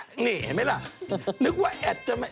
เห็นไหมล่ะนึกว่าแอดจะไม่